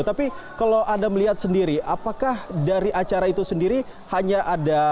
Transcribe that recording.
tapi kalau anda melihat sendiri apakah dari acara itu sendiri hanya ada